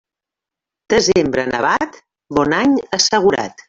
Desembre nevat, bon any assegurat.